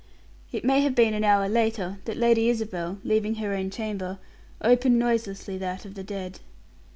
It may have been an hour later that Lady Isabel, leaving her own chamber, opened noiselessly that of the dead.